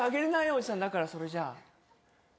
おじさんだからそれじゃ。